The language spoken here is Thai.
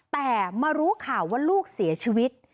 แต่มารู้ข่าวว่าลูกเสียชีวิต